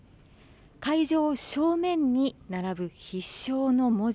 会場正面に並ぶ必勝の文字。